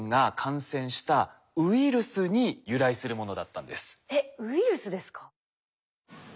なんとえっウイルスですか？